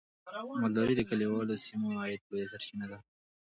مالداري د کليوالو سیمو د عاید لویه سرچینه ده.